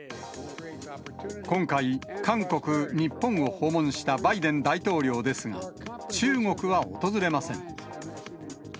今回、韓国、日本を訪問したバイデン大統領ですが、中国は訪れません。